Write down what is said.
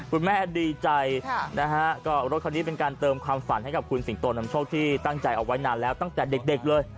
คุณแม่ดีใจนะฮะก็รถคันนี้เป็นการเติมความฝันให้กับคุณสิงโตนำโชคที่ตั้งใจเอาไว้นานแล้วตั้งแต่เด็กเลย